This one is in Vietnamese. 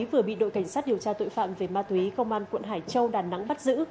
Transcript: vừa bị đội cảnh sát điều tra tội phạm về ma túy công an quận hải châu đà nẵng bắt giữ